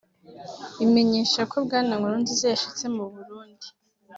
bimenyesha ko bwana Nkurunziza yashitse mu Burundi